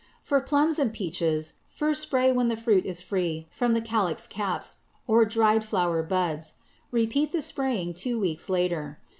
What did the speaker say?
For plums and peaches, spray first when the fruit is free from the calyx caps, or dried flower buds. Repeat the spraying two weeks later.